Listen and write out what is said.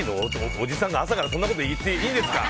おじさんが朝からそんなこと言っていいんですか？